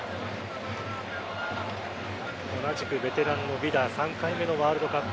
同じくベテランのヴィダ３回目のワールドカップ